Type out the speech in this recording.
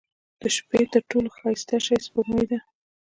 • د شپې تر ټولو ښایسته شی سپوږمۍ ده.